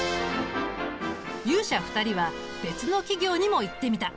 勇者２人は別の企業にも行ってみた。